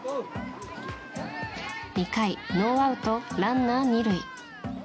２回、ノーアウトランナー２塁。